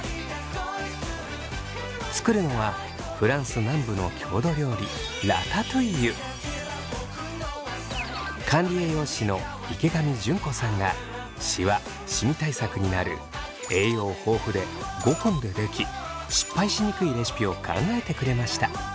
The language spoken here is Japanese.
作るのはフランス南部の郷土料理管理栄養士の池上淳子さんがシワシミ対策になる栄養豊富で５分ででき失敗しにくいレシピを考えてくれました。